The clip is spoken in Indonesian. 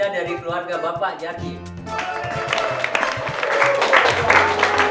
masak apa pak